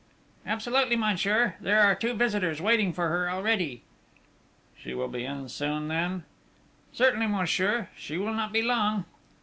"Absolutely, monsieur.... There are two visitors waiting for her already." "She will be in soon, then?" "Certainly, monsieur: she will not be long...."